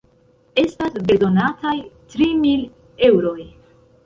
Estas bezonataj tri mil eŭroj.